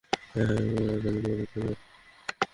হ্যাঁ, হ্যাঁ, কোরটা যদি পনিরের তৈরী হয়?